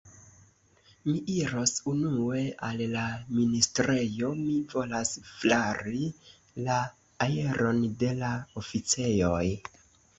Mi iros unue al la ministrejo; mi volas flari la aeron de la oficejoj.